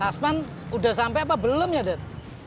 kasman udah sampai apa belum ya dad